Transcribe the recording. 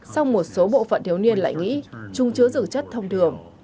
xong một số bộ phận thiếu niên lại nghĩ chúng chứa dược chất thông thường